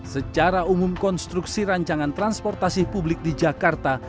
secara umum konstruksi rancangan transportasi publik di jakarta